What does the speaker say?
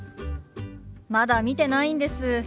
まだ見てないんです。